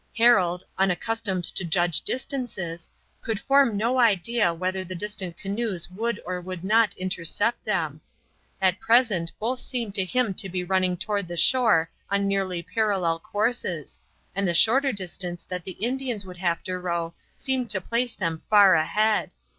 Harold, unaccustomed to judge distances, could form no idea whether the distant canoes would or would not intercept them. At present both seemed to him to be running toward the shore on nearly parallel courses, and the shorter distance that the Indians would have to row seemed to place them far ahead.